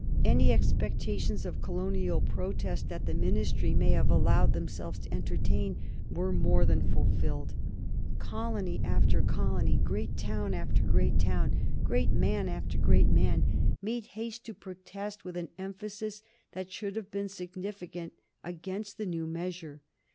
Any expectations of colonial protest that the Ministry may have allowed themselves to entertain were more than fulfilled. Colony after colony, great town after great town, great man after great man, made haste to protest with an emphasis that should have been significant against the new measure.